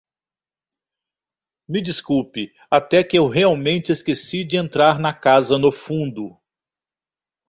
Me desculpe, até que eu realmente esqueci de entrar na casa no fundo.